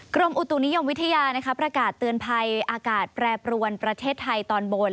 กรมอุตุนิยมวิทยาประกาศเตือนภัยอากาศแปรปรวนประเทศไทยตอนบน